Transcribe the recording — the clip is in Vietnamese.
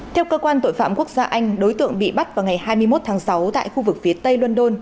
theo cơ quan tội phạm quốc gia anh đối tượng bị bắt vào ngày hai mươi một tháng sáu tại khu vực phía tây london